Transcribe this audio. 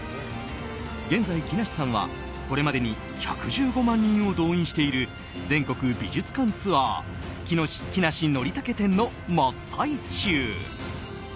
現在、木梨さんはこれまでに１１５万人を動員している全国美術館ツアー「木梨憲武展」の真っ最中。